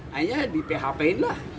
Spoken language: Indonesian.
hanya di php lah